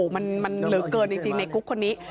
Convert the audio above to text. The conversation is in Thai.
มันเหลือเกินจริงในกุ๊กคนนี้